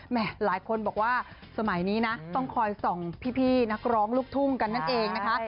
หลายคนบอกว่าสมัยนี้นะต้องคอยส่องพี่นักร้องลูกทุ่งกันนั่นเองนะคะ